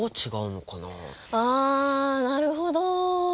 あなるほど。